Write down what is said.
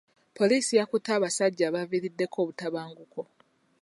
Poliisi yakutte abasajja abaaviiriddeko obutabanguko.